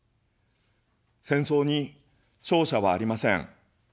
戦争に勝者はありません。